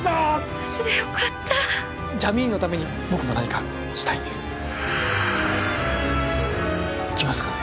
無事でよかったジャミーンのために僕も何かしたいんです来ますかね？